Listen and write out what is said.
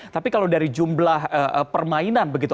tapi kalau dari jumlah permainan begitu